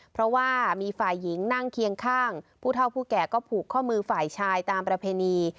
เพราะว่ามีฝ่ายหญิงนั่งเคียงข้างผู้เท่าผู้แก่ก็ผูกข้อมือฝ่ายชายตามประเพณี